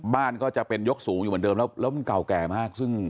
บ้านก็จะเป็นยกสูงอยู่เหมือนเดิมแล้วแล้วมันเก่าแก่มากซึ่ง